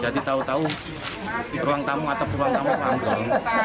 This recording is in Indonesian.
jadi tahu tahu di ruang tamu atau di ruang tamu anggol